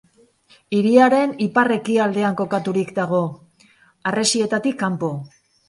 Hiriaren ipar-ekialdean kokaturik dago, harresietatik kanpo.